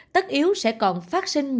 tất yếu sẽ còn phát sinh nhiều